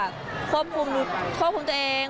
ควบคุมหนุ๊ควบคุมตัวเอง